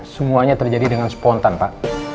semuanya terjadi dengan spontan pak